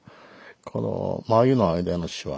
この眉の間のしわ。